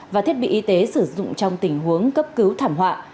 và thiết bị y tế sử dụng trong tình huống cấp cứu thảm họa